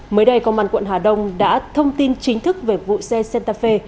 mới đây công an quận hà đông đã thông tin chính thức về vụ xe santa fe